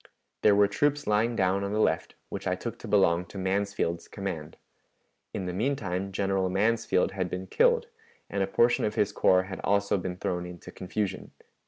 There were troops lying down on the left, which I took to belong to Mansfield's command. In the mean time General Mansfield had been killed, and a portion of his corps had also been thrown into confusion."